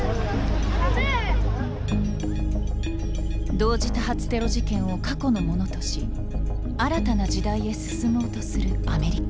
同時多発テロ事件を過去のものとし新たな時代へ進もうとするアメリカ。